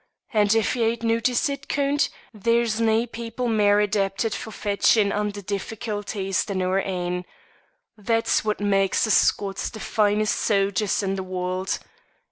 And if ye hae noticed it, Coont, there's nae people mair adapted for fechtin' under diffeeculties than oor ain; that's what maks the Scots the finest sogers in the warld.